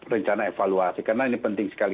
rencana evaluasi karena ini penting sekali